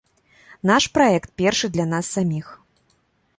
Наш праект першы для нас саміх!